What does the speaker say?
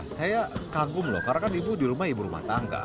saya kagum loh karena kan ibu di rumah ibu rumah tangga